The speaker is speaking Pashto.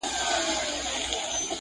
يار ليدلي بيګا خوب کي پيمانې دي